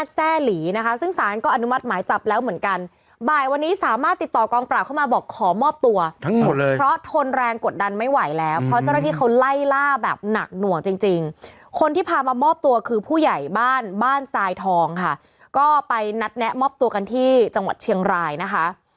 คนที่พามามอบตัวคือผู้ใหญ่บ้านบ้านทรายทองค่ะก็ไปนัดแนะมอบตัวกันที่จังหวัดเชียงรายนะคะ